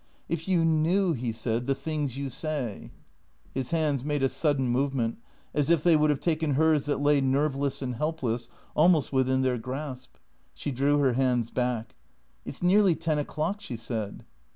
" If you knew," he said, " the things you say " His hands made a sudden movement, as if they would have taken hers that lay nerveless and helpless, almost within their grasp. She drew her hands back. " It 's nearly ten o'clock," she said.